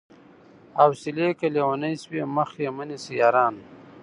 حوصلې که ليونۍ سوې مخ يې مه نيسئ يارانو